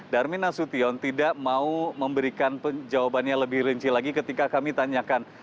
darmin nasution tidak mau memberikan jawabannya lebih rinci lagi ketika kami tanyakan